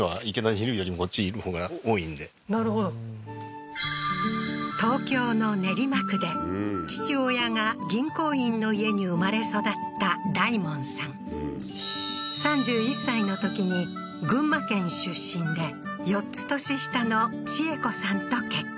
うんなるほど東京の練馬区で父親が銀行員の家に生まれ育った大門さん３１歳の時に群馬県出身で４つ年下の千栄子さんと結婚